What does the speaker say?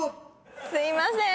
すいません。